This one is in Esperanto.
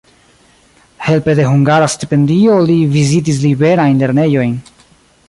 Helpe de hungara stipendio li vizitis liberajn lernejojn.